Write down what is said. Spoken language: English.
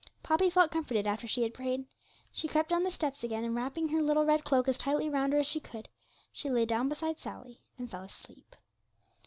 Poppy felt comforted after she had prayed; she crept down the steps again, and wrapping her little red cloak as tightly round her as she could, she lay down beside Sally, and fell asleep.